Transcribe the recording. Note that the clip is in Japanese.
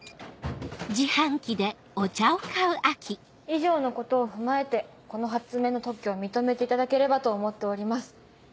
以上のことを踏まえてこの発明の特許を認めていただければと思っております。